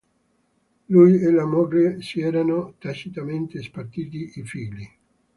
Lui e la moglie si erano tacitamente spartiti i figli.